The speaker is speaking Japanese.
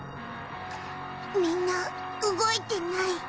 みんな動いてない。